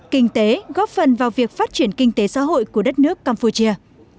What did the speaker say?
kinh tế góp phần vào việc phát triển kinh tế xã hội của đất nước campuchia